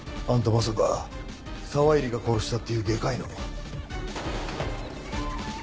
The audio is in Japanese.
まさか沢入が殺したっていう外科医の。